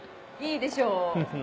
いいでしょう。